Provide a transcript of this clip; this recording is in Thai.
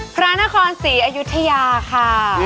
พระนครศรีอยุธยาค่ะ